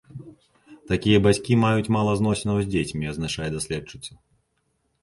Такія бацькі маюць мала зносінаў з дзецьмі, адзначае даследчыца.